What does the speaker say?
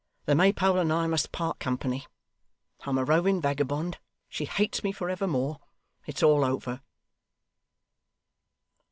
The Maypole and I must part company. I'm a roving vagabond she hates me for evermore it's all over!